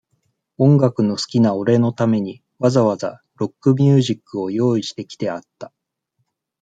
音楽の好きな俺のために、わざわざ、ロックミュージックを用意してきてあった。